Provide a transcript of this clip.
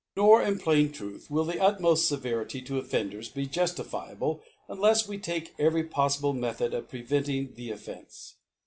Nor, in plain Truth, will the utmofi Se yetity to Offenders be juftifiable, unlefs we take every poffible Method of preventing the Offence.